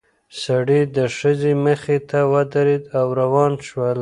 سړی د ښځې مخې ته ودرېد او روان شول.